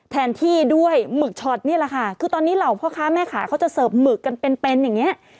แทนที่ด้วยหมึกช็อตนี่แหละค่ะคือตอนนี้เหล่าพ่อค้าแม่ขาเขาจะเสิร์ฟหมึกกันเป็นเป็นอย่างเงี้ย